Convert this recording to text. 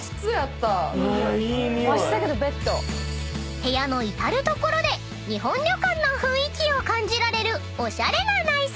［部屋の至る所で日本旅館の雰囲気を感じられるおしゃれな内装］